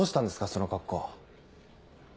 その格好。